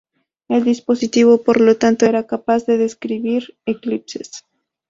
El dispositivo por lo tanto era capaz de describir eclipses.